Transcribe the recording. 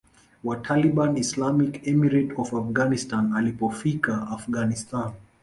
wa Taliban Islamic Emirate of Afghanistan Alipofika Afghanistan